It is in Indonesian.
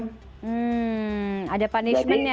hmm ada punishmentnya ya